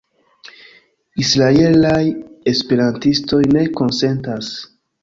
Israelaj esperantistoj ne konsentas.